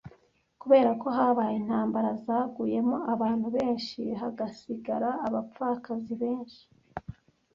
Kubera ko habaye intambara zaguyemo abantu benshi hagasigara abapfakazi benshi